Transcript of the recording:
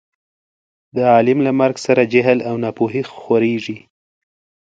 د عالم له مرګ سره جهل او نا پوهي خورېږي.